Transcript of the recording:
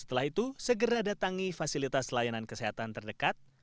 setelah itu segera datangi fasilitas layanan kesehatan terdekat